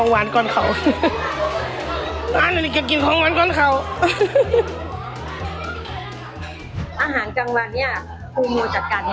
หื้อหื้อหื้อหื้อ